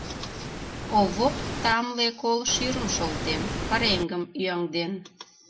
Овоп тамле кол шӱрым шолтен, пареҥгым ӱяҥден.